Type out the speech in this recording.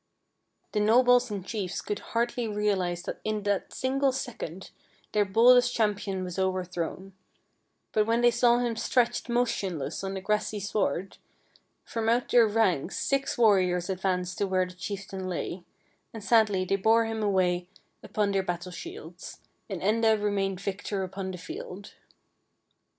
The nobles and chiefs could hardly realize that, in that single second their boldest champion was overthrown; but when they snw him stretched motionless on the grassy sward, from out their ranks six warriors advanced to where the chief tain lay, and sadly they bore him away upon 48 FAIRY TALES their battle shields, and Enda remained victor upon the field.